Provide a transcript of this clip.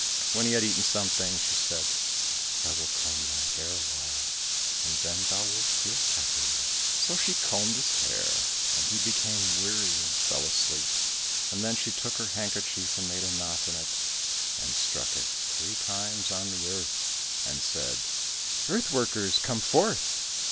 When he had eaten something she said, "I will comb thy hair a while, and then thou wilt feel happier." So she combed his hair, and he became weary and fell asleep, and then she took her handkerchief and made a knot in it, and struck it three times on the earth, and said, "Earth workers, come forth."